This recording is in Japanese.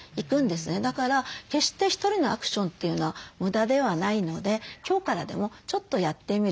だから決してひとりのアクションというのは無駄ではないので今日からでもちょっとやってみる。